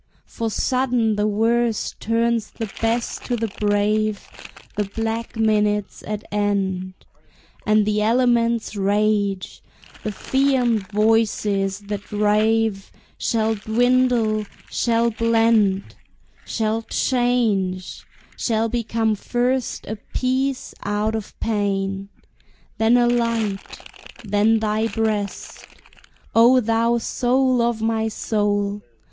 For sudden the worst turns the best to the brave, The black minute's at end, And the elements' rage, the fiend voices that rave, Shall dwindle, shall blend, Shall change, shall become first a peace out of pain. Then a light, then thy breast, O thou soul of my soul!